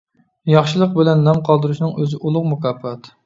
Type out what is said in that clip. ياخشىلىق بىلەن نام قالدۇرۇشنىڭ ئۆزى ئۇلۇغ مۇكاپات.